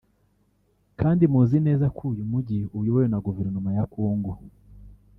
kandi muzi neza ko uyu mujyi uyobowe na guverinoma ya Congo